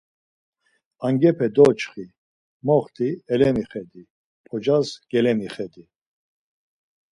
Angepe doçxi, moxti elemixedi, p̌ocas gelemixedi.